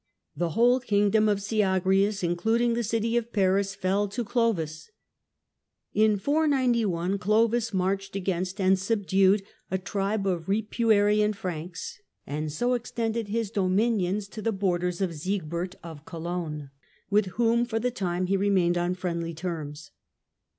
The whole kingdom of Syagrius, including the city of Paris, fell to Clovis. In 491 Clovis marched against and subdued a tribe of Ripuarian Franks, and so extended his dominions to the borders of Siegbert of Cologne, with whom, for the time, he remained on friendly terms.